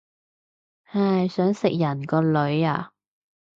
唉，想食人個女啊